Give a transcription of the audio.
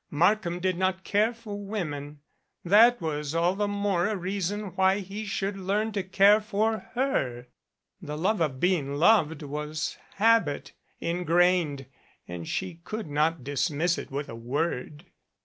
Markham did not care for women. That was all the more a reason why he should learn to care for her. The love of being loved was habit, in grained, and she could not dismiss it with a word.